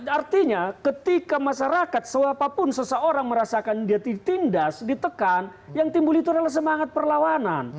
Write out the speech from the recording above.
artinya ketika masyarakat siapapun seseorang merasakan dia ditindas ditekan yang timbul itu adalah semangat perlawanan